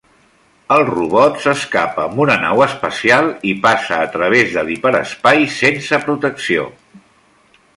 El robot s'escapa amb una nau espacial, i passa a través de l'hiperespai sense protecció.